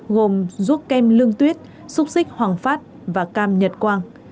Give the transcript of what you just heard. gồm ruốc kem lương tuyết xúc xích hoàng phát và cam nhật quang